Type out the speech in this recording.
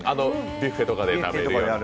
ビュッフェとかである。